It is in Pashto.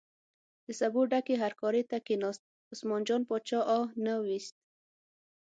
د سبو ډکې هرکارې ته کیناست، عثمان جان باچا اه نه ویست.